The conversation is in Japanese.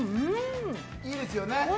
いいですよね。